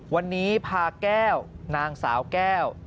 วันนี้พาแก้วนางสาวแก้ว